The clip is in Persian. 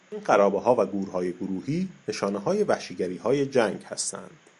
این خرابهها و گورهای گروهی نشانههای وحشیگریهای جنگ هستند.